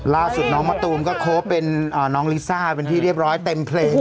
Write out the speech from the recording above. ล่าสุดน้องมะตูมก็โค้เป็นน้องลิซ่าเป็นที่เรียบร้อยเต็มเพลง